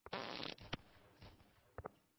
স্মৃতিতেও ঠিক ঐ ব্যাপারই ঘটিয়া থাকে, তবে মৃদুতরভাবে।